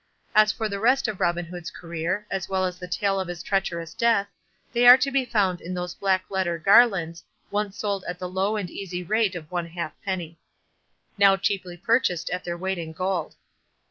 As for the rest of Robin Hood's career, as well as the tale of his treacherous death, they are to be found in those black letter garlands, once sold at the low and easy rate of one halfpenny. "Now cheaply purchased at their weight in gold."